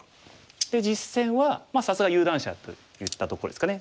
で実戦はさすが有段者といったところですかね。